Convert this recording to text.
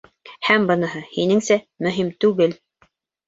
Һәм быныһы, һинеңсә, мөһим түгел!